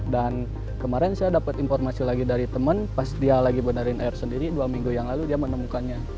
dan kemarin saya dapat informasi lagi dari teman pas dia lagi benerin air sendiri dua minggu yang lalu dia menemukannya